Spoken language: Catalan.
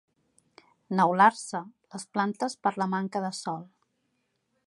Neular-se, les plantes per la manca de sol.